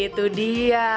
ah itu dia